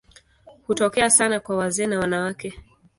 Hutokea sana kwa wazee na wanawake.